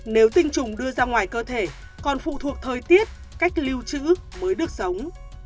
nếu tinh trùng đưa ra ngoài cơ thể còn phụ thuộc thời tiết cách lưu trữ mới được sống